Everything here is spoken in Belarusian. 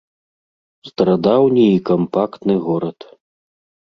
Старадаўні і кампактны горад.